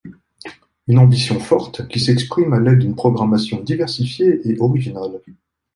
Une ambition forte qui s’exprime à l’aide d’une programmation diversifiée et originale.